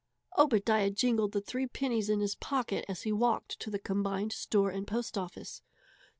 Obadiah jingled the three pennies in his pocket as he walked to the combined store and post office.